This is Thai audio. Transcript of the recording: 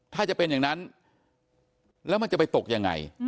ถ้าจะเป็นอย่างนั้นแล้วมันจะไปตกยังไง